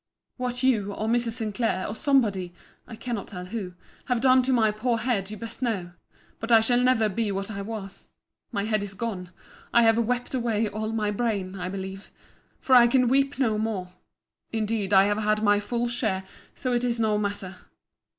What you, or Mrs. Sinclair, or somebody (I cannot tell who) have done to my poor head, you best know: but I shall never be what I was. My head is gone. I have wept away all my brain, I believe; for I can weep no more. Indeed I have had my full share; so it is no matter.